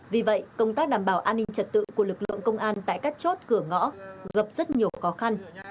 vì vậy công tác đảm bảo an ninh trật tự của lực lượng công an tại các chốt cửa ngõ gặp rất nhiều khó khăn